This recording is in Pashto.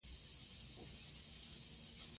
ژبه د ملي یووالي راز دی.